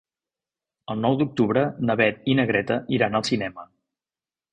El nou d'octubre na Beth i na Greta iran al cinema.